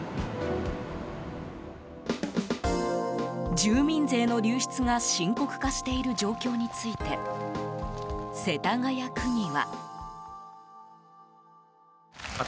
住民税の流出が深刻化している状況について世田谷区議は。